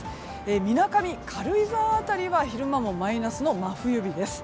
みなかみ、軽井沢辺りは昼間もマイナスの真冬日です。